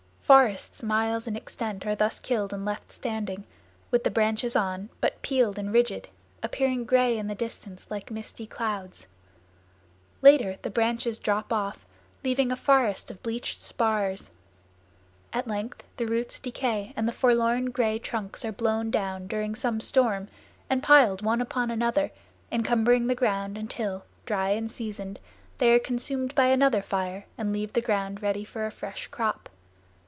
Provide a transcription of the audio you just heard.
Forests miles in extent are thus killed and left standing, with the branches on, but peeled and rigid, appearing gray in the distance like misty clouds. Later the branches drop off, leaving a forest of bleached spars. At length the roots decay and the forlorn gray trunks are blown down during some storm and piled one upon another, encumbering the ground until, dry and seasoned, they are consumed by another fire and leave the ground ready for a fresh crop.